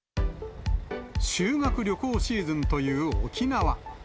修学旅行シーズンという沖縄。